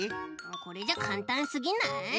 これじゃかんたんすぎない？